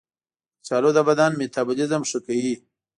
کچالو د بدن میتابولیزم ښه کوي.